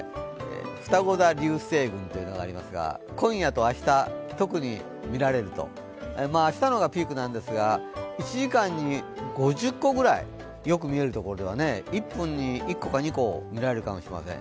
ふたご座流星群というのがありますが、今夜と明日、特に見られると、明日の方がピークなんですが、１時間に５０個ぐらいよく見えるところではね１分に１２個見られるかもしれません。